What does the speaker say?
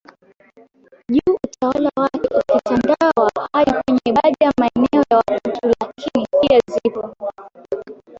Juu utawala wake ukitandawaa hadi kwenye baadhi ya maeneo ya WakutuLakini pia zipo